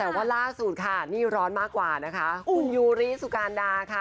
แต่ว่าล่าสุดค่ะนี่ร้อนมากกว่านะคะคุณยูริสุการดาค่ะ